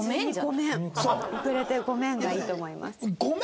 「遅れてごめん」がいいと思います。